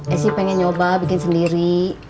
esy pengen nyoba bikin sendiri